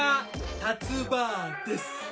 たつ婆です。